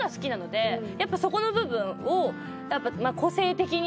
やっぱそこの部分を。